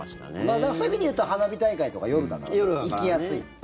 だからそういう意味でいうと花火大会とか夜だから行きやすい。